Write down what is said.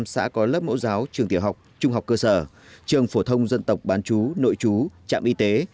một trăm linh xã có lớp mẫu giáo trường tiểu học trung học cơ sở trường phổ thông dân tộc bán chú nội chú trạm y tế